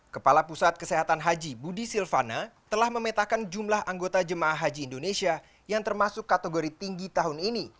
kepala pusat kesehatan haji budi silvana telah memetakan jumlah anggota jemaah haji indonesia yang termasuk kategori tinggi tahun ini